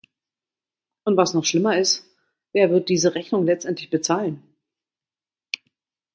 Und was noch schlimmer ist, wer wird diese Rechnung letztendlich bezahlen?